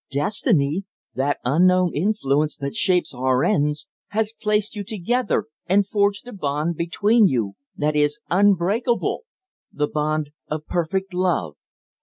Destiny, that unknown influence that shapes our ends, has placed you together and forged a bond between you that is unbreakable the bond of perfect love."